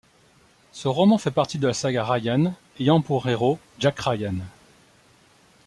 Ce roman fait partie de la saga Ryan ayant pour héros Jack Ryan.